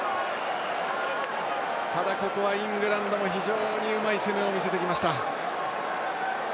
ただ、ここはイングランドも非常にうまい攻めを見せてきました。